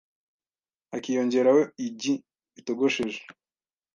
hakiyongeraho igi ritogosheje